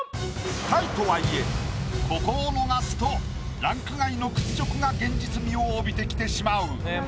下位とはいえここを逃すとランク外の屈辱が現実味を帯びてきてしまう。